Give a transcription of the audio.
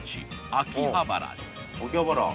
秋葉原に。